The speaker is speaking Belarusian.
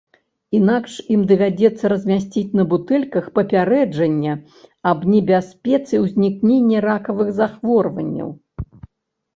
Інакш ім давядзецца размясціць на бутэльках папярэджання аб небяспецы ўзнікнення ракавых захворванняў.